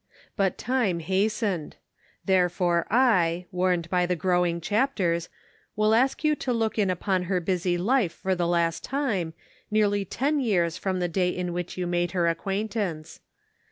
But time hastened. Therefore, I, warned by the growing chapters, will ask you to look in upon her busy life for the last time, nearly ten years from the day in which you made her 481 482 The Pocket Measure. acquaintance.